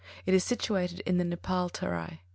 It is situated in the Nepāl Terai.